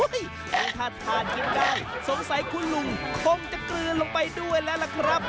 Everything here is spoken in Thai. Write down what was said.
ถ้าทานกินได้สงสัยคุณลุงคงจะกลืนลงไปด้วยแล้วล่ะครับ